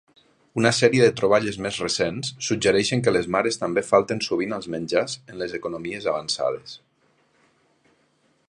Una sèrie de troballes més recents suggereixen que les mares també falten sovint als menjars en les economies avançades.